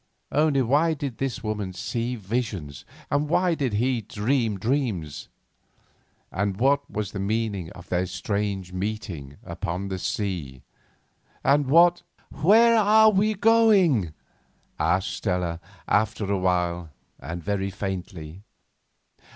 Only why did this woman see visions, and why did he dream dreams? And what was the meaning of their strange meeting upon the sea? And what—— "Where are we going?" asked Stella after a while and very faintly.